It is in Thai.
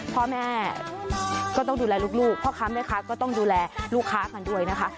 พ่อแม่ก็ต้องดูแลลูกพ่อค้าแม่ค้าก็ต้องดูแลลูกค้ากันด้วยนะคะ